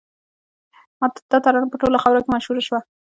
دا ترانه په ټوله خاوره کې مشهوره شوه